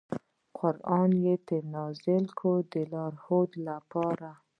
قران یې پرې نازل کړ د لارښوونې لپاره.